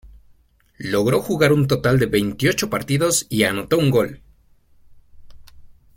Logró jugar un total de veintiocho partidos y anotó un gol.